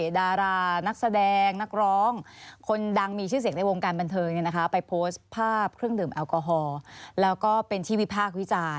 ดารานักแสดงนักร้อง